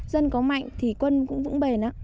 dân có mạnh thì quân cũng vững bền